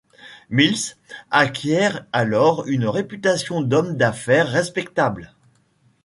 Mills acquiert alors une réputation d'homme d'affaires respectable.